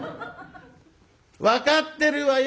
「分かってるわよ